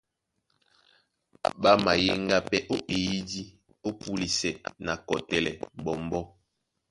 Ɓá mayéŋgá pɛ́ ó eyídí ó púlisɛ na kɔtɛlɛ ɓɔmbɔ́.